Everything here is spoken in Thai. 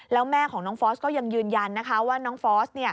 แล้วแม่ของน้องฟอสก็ยังยืนยันนะคะว่าน้องฟอส